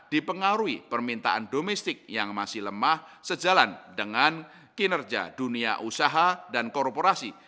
dipengaruhi permintaan domestik yang masih lemah sejalan dengan kinerja dunia usaha dan korporasi